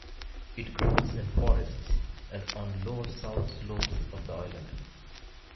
It grows in forests and on lower south slopes of the island.